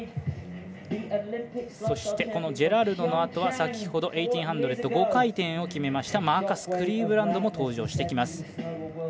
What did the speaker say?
そして、ジェラルドのあとは先ほど１８００、５回点を決めたマーカス・クリーブランドも登場してきます。